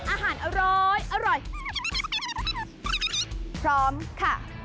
อาหารอร้อยพร้อมค่ะ